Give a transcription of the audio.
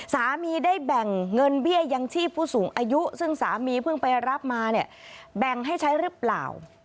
สามีได้แบ่งเงินเบี้ยยังชีพผู้สูงอายุซึ่งสามีเพิ่งไปรับมาเนี่ยแบ่งให้ใช้หรือเปล่า